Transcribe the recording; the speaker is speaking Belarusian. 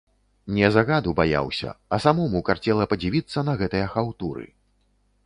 Не загаду баяўся, а самому карцела падзівіцца на гэтыя хаўтуры.